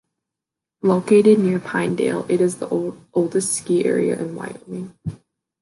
Located near Pinedale, it is the oldest ski area in Wyoming.